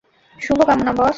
শুভ কামনা, বস।